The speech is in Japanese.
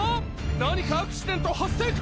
何かアクシデント発生か！？